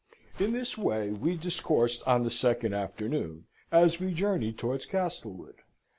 In this way we discoursed on the second afternoon as we journeyed towards Castlewood.